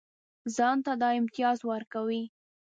ځان ته دا امتیاز ورکوي.